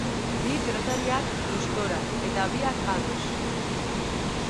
Bi pilotariak gustora eta biak ados.